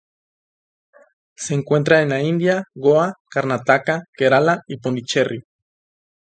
Se encuentra en la India: Goa, Karnataka, Kerala y Pondicherry.